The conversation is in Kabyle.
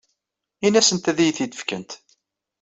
Ini-asent ad iyi-t-id-fkent.